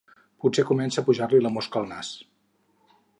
Potser comença a pujar-li la mosca al nas.